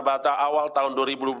pada awal tahun dua ribu dua puluh dua